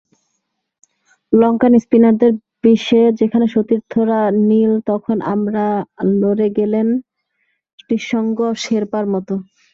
লঙ্কান স্পিনারদের বিষে যেখানে সতীর্থরা নীল, তখন আমলা লড়ে গেলেন নিঃসঙ্গ শেরপার মতো।